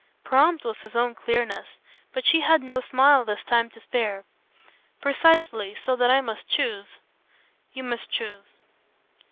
Prompt was his own clearness, but she had no smile this time to spare. "Precisely so that I must choose." "You must choose."